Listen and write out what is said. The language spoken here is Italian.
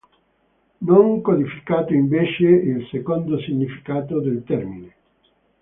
Non codificato invece il secondo significato del termine.